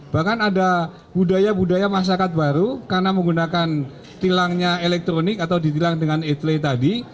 bahkan ada budaya budaya masyarakat baru karena menggunakan tilangnya elektronik atau ditilang dengan etle tadi